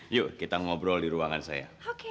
yuk kita ngobrol di ruangan saya